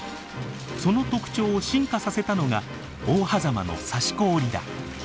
その特徴を進化させたのが大峽の刺し子織だ。